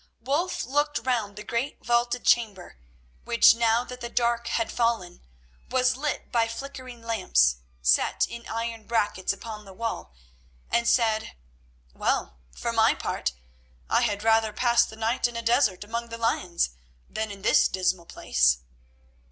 Wulf looked round the great vaulted chamber, which, now that the dark had fallen, was lit by flickering lamps set in iron brackets upon the wall, and said: "Well, for my part, I had rather pass the night in a desert among the lions than in this dismal place."